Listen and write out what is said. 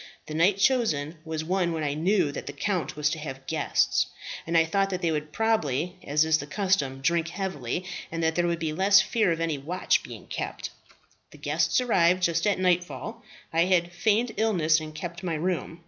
The night chosen was one when I knew that the count was to have guests, and I thought that they would probably, as is the custom, drink heavily, and that there would be less fear of any watch being kept. "The guests arrived just at nightfall. I had feigned illness, and kept my room.